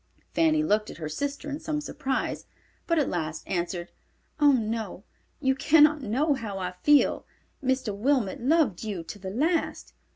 Fanny looked at her sister in some surprise, but at last answered, "Oh no, you cannot know how I feel. Mr. Wilmot loved you to the last.